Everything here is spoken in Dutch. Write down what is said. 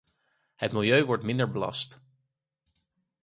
Het milieu wordt minder belast.